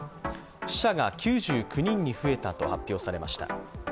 死者が９９人に増えたと発表されました。